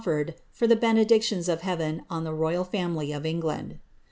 ofiered for the benedictioni of Heaven on the royal fiunilr of Enf land.'